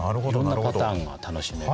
いろんなパターンが楽しめると。